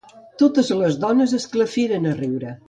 Totes les dones esclafiren a riure.